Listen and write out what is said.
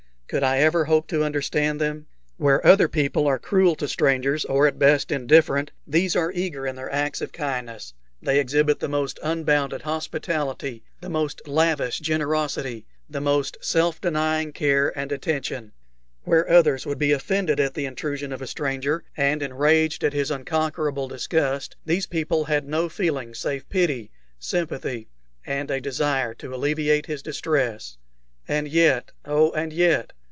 Could I ever hope to understand them? Where other people are cruel to strangers, or at best indifferent, these are eager in their acts of kindness; they exhibit the most unbounded hospitality, the most lavish generosity, the most self denying care and attention; where others would be offended at the intrusion of a stranger, and enraged at his unconquerable disgust, these people had no feeling save pity, sympathy, and a desire to alleviate his distress. And yet oh, and yet!